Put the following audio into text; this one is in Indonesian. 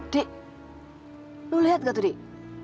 dik lu lihat gak tuh dik